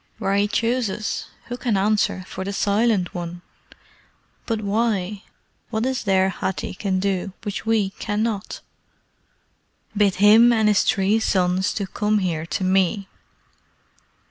"Where he chooses. Who can answer for the Silent One? But why? What is there Hathi can do which we cannot?" "Bid him and his three sons come here to me."